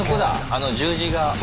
あの十字がある。